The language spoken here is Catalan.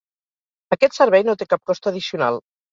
Aquest servei no té cap cost addicional.